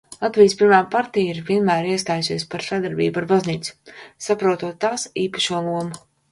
Latvijas Pirmā partija ir vienmēr iestājusies par sadarbību ar baznīcu, saprotot tās īpašo lomu.